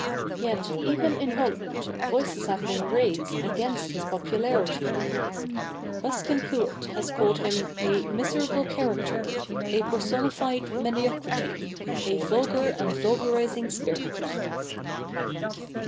Yet, even in Holland, voices have been raised against his popularity. Busken Huet has called him "a miserable character, a personified mediocrity, a vulgar and vulgarizing spirit."